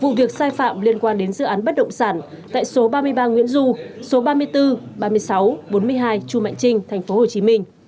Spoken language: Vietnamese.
vụ việc sai phạm liên quan đến dự án bất động sản tại số ba mươi ba nguyễn du số ba mươi bốn ba mươi sáu bốn mươi hai chu mạnh trinh tp hcm